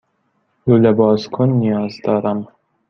لوله بازکن نیاز دارم.